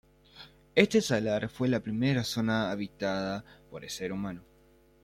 Este salar fue la primera zona habitada por el ser humano.